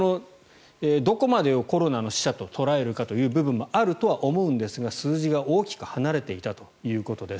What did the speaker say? どこまでをコロナの死者と捉えるのかという部分もあると思うんですが数字が大きく離れていたということです。